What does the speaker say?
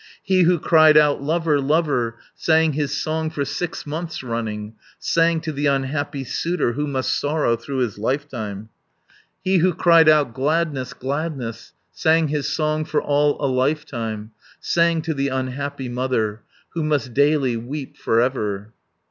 He who cried out, "Lover, lover!" Sang his song for six months running, Sang to the unhappy suitor, Who must sorrow through his lifetime. 500 He who cried out, "Gladness, gladness!" Sang his song for all a lifetime; Sang to the unhappy mother, Who must daily weep for ever.